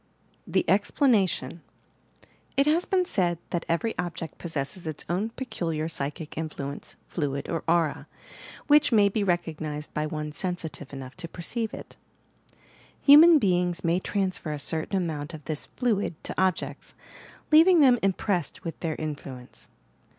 THE EXPLANATION It has been said that every object possesses its own peculiar psychic influence, fluid or aura, which may be recognized by one sensitive enough to perceive it. Hu man beings may transfer a certain amount of this "fluid" to objects, leaving them impressed with their influence.